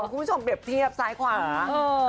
คุณผู้ชมเปรียบเทียบซ้ายขวา